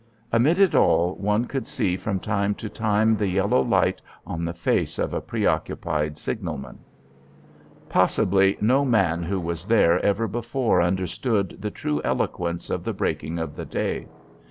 Amid it all one could see from time to time the yellow light on the face of a preoccupied signalman. Possibly no man who was there ever before understood the true eloquence of the breaking of the day.